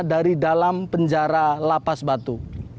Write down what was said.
dari dalam penjara lapas batu